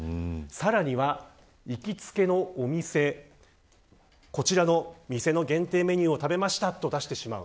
さらには、行きつけのお店こちらの店の限定メニューを食べましたと出してしまう。